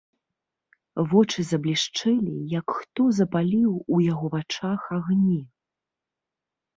Вочы заблішчэлі, як хто запаліў у яго вачах агні.